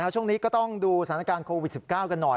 ช่วงนี้ก็ต้องดูสถานการณ์โควิด๑๙กันหน่อย